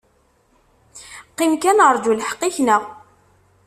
Qim kan aṛǧu lḥeq-ik, neɣ?